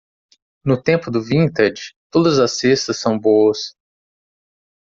No tempo do vintage, todas as cestas são boas.